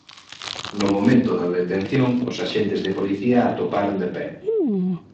No momento da detención os axentes de policía a atoparon de pé.